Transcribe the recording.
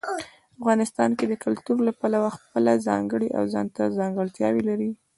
افغانستان د کلتور له پلوه خپله ځانګړې او ځانته ځانګړتیاوې لري.